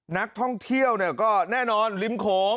นักท่องเที่ยวเนี่ยก็แน่นอนลิ้มโขง